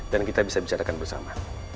dan kita bisa bicarakan bersama